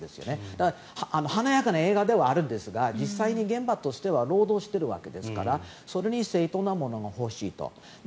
だから華やかな映画ではあるんですが実際に現場としては労働しているわけですからそれに正当なものが欲しいと。